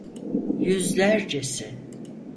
Yüzlercesi.